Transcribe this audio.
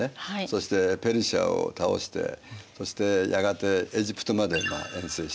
そしてペルシアを倒してそしてやがてエジプトまで遠征していくという。